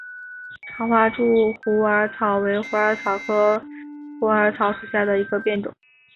长花柱虎耳草为虎耳草科虎耳草属下的一个变种。